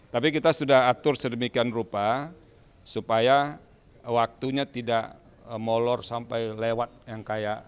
tapi kita sudah atur sedemikian rupa supaya waktunya tidak molor sampai lewat yang kayak dua ribu sembilan belas itu